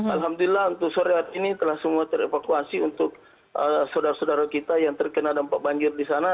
alhamdulillah untuk sore hari ini telah semua terevakuasi untuk saudara saudara kita yang terkena dampak banjir di sana